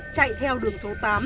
chạy theo đường số tám